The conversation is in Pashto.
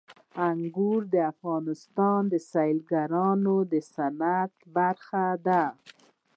انګور د افغانستان د سیلګرۍ د صنعت برخه ده.